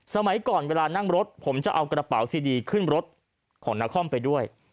สมัยก่อนเวลานั่งรถผมจะเอากระเป๋าซีดีขึ้นรถของนครไปด้วย